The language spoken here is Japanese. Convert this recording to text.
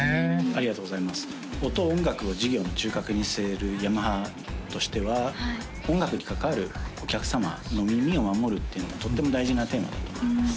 ありがとうございます音音楽を事業の中核に据えるヤマハとしては音楽に関わるお客様の耳を守るっていうのはとても大事なテーマだと思います